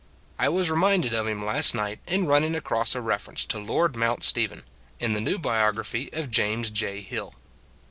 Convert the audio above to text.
I was reminded of him last night, in run ning across a reference to Lord Mount Stephen, in the new biography of James J. Hill.